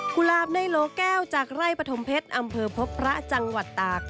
หลาบในโหลแก้วจากไร่ปฐมเพชรอำเภอพบพระจังหวัดตาก